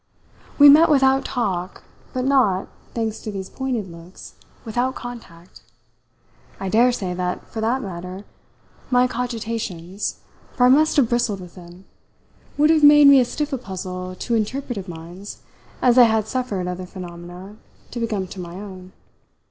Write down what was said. We met without talk, but not, thanks to these pointed looks, without contact. I daresay that, for that matter, my cogitations for I must have bristled with them would have made me as stiff a puzzle to interpretative minds as I had suffered other phenomena to become to my own.